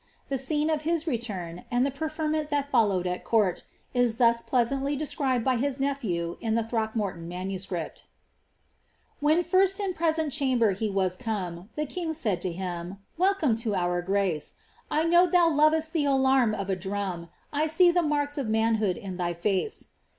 The scene of turn, and the preferment that followed at court, is thus pleasantly bed by his nephew, in the Throckmorton MS. :—Wlieii first in presprice chamber he was come, The king said to him, * Welcome to our grace; I know thou iovest tlie alarum of a drum, I see the marks of manhood in thy face.'